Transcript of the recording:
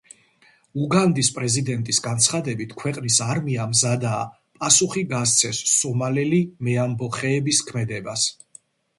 უგანდის პრეზიდენტის განცხადებით, ქვეყნის არმია მზადაა პასუხი გასცეს სომალელი მეამბოხეების ქმედებას.